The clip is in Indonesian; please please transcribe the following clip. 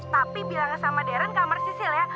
tapi bilangnya sama darren kamar sisil ya